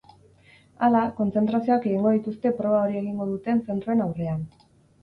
Hala, kontzentrazioak egingo dituzte proba hori egingo duten zentroen aurrean.